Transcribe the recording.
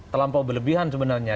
terlampau berlebihan sebenarnya